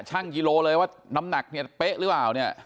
กิโลเลยว่าน้ำหนักเนี่ยเป๊ะหรือเปล่าเนี่ย